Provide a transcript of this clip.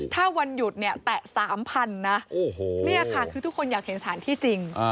ถ้าวันหยุดเนี่ยแตะ๓๐๐๐นะนี่ค่ะคือทุกคนอยากเห็นสถานที่จริง